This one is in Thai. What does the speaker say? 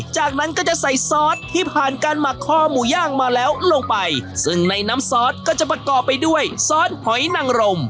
จากนั้นก็จะใส่ซอสที่ผ่านการหมักคอหมูย่างมาแล้วลงไปซึ่งในน้ำซอสก็จะประกอบไปด้วยซอสหอยนังรม